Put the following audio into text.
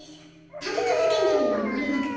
立て続けにデビューはあんまりなくて。